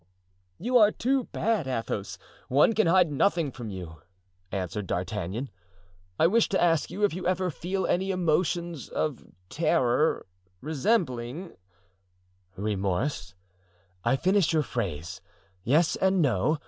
"You are too bad, Athos; one can hide nothing from you," answered D'Artagnan. "I wished to ask you if you ever feel any emotions of terror resembling——" "Remorse! I finish your phrase. Yes and no.